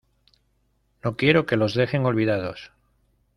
No quiero que los dejen olvidados.